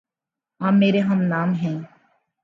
آپ میرے ہم نام ہےـ